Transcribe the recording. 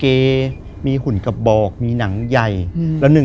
คือก่อนอื่นพี่แจ็คผมได้ตั้งชื่อเอาไว้ชื่อเอาไว้ชื่อเอาไว้ชื่อ